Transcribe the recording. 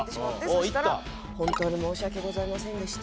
そしたら「本当に申し訳ございませんでした」